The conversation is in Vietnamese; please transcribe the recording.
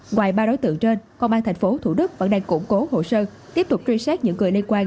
ngoài ba đối tượng trên công an tp thủ đức vẫn đang củng cố hồ sơ tiếp tục truy xét những người liên quan